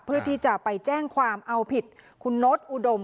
เพื่อที่จะไปแจ้งความเอาผิดคุณโน๊ตอุดม